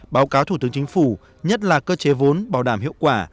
báo cáo thủ tướng chính phủ nhất là cơ chế vốn bảo đảm hiệu quả